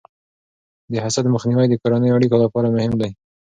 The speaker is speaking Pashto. د حسد مخنیوی د کورنیو اړیکو لپاره مهم دی.